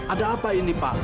ada apa ini pak